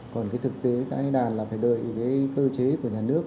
còn cái thực tế tái đàn là phải đợi cái cơ chế của nhà nước